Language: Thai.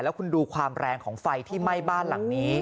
แล้วคุณดูความแรงของไฟที่ไหม้บ้านหลังนี้